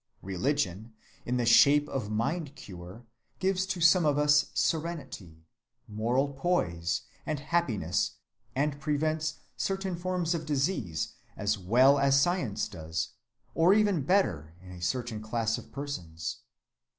Religion in the shape of mind‐cure gives to some of us serenity, moral poise, and happiness, and prevents certain forms of disease as well as science does, or even better in a certain class of persons.